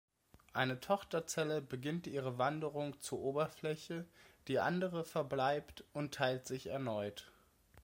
Eine Tochterzelle beginnt ihre Wanderung zur Oberfläche, die andere verbleibt und teilt sich erneut.